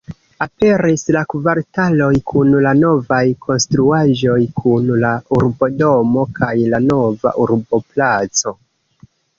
Aperis la kvartaloj kun la novaj konstruaĵoj kun la urbodomo kaj la nova urboplaco.